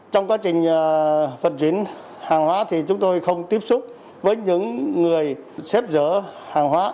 trong quá trình vận chuyển hàng hóa chúng tôi không tiếp xúc với những người xếp rỡ hàng hóa